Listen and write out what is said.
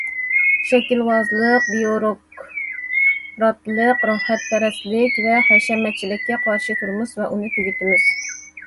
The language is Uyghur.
شەكىلۋازلىق، بىيۇروكراتلىق، راھەتپەرەسلىك ۋە ھەشەمەتچىلىككە قارشى تۇرىمىز ۋە ئۇنى تۈگىتىمىز.